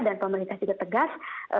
dan pemerintah juga tegas